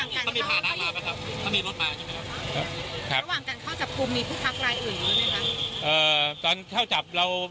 จะมีผ่านนักมาหรือเปล่าครับ